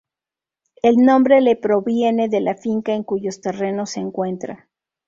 El nombre le proviene de la finca en cuyos terrenos se encuentra.